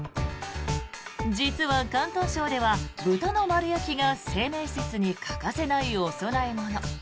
実は、広東省では豚の丸焼きが清明節に欠かせないお供え物。